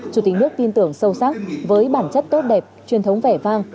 chủ tịch nước tin tưởng sâu sắc với bản chất tốt đẹp truyền thống vẻ vang